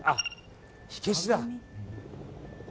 火消しだ。